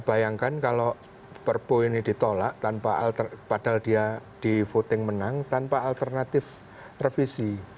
bayangkan kalau perpu ini ditolak padahal dia di voting menang tanpa alternatif revisi